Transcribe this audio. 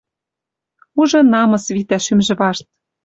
Уже намыс витӓ шӱмжы вашт.